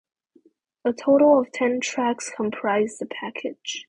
A total of ten tracks comprised the package.